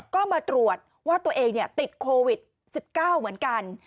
ก็มาตรวจว่าตัวเองติดโควิด๑๙เหมือนกัน